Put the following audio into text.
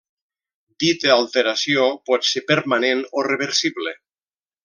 Dita alteració pot ser permanent o reversible.